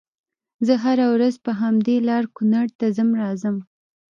زه هره ورځ په همدې لار کونړ ته ځم راځم